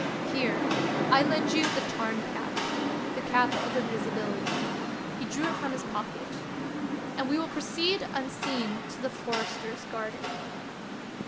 Here, I lend you the Tarn cap " (the cap of invisibility), — he drew it from his pocket, — "and we will proceed unseen to the forester's garden."